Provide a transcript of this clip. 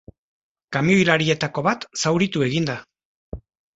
Kamioilarietako bat zauritu egin da.